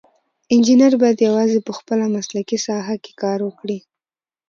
انجینر باید یوازې په خپله مسلکي ساحه کې کار وکړي.